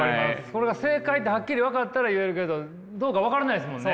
それが正解ってハッキリ分かったら言えるけどどうか分からないですもんね。